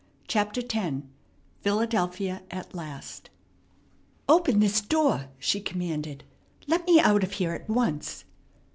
CHAPTER X PHILADELPHIA AT LAST "Open this door!" she commanded. "Let me out of here at once."